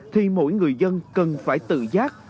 thì mỗi người dân cần phải tự giác